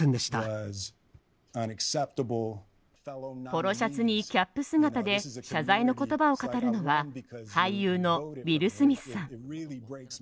ポロシャツにキャップ姿で謝罪の言葉を語るのは俳優のウィル・スミスさん。